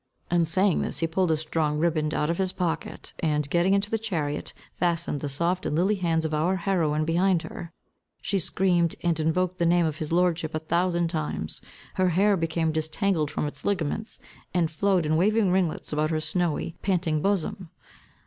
And saying this, he pulled a strong ribband out of his pocket, and getting into the chariot, fastened the soft and lily hands of our heroine behind her. She screamed, and invoked the name of his lordship a thousand times. Her hair became disentangled from its ligaments, and flowed in waving ringlets about her snowy, panting bosom.